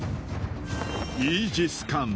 イージス艦。